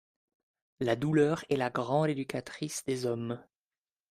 La douleur est la grande éducatrice des hommes.